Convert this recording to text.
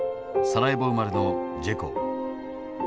サラエボ生まれのジェコ。